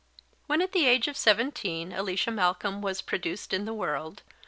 When at the age of seventeen Alicia Malcolm was produced in the world.